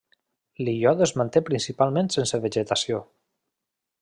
L'illot es manté principalment sense vegetació.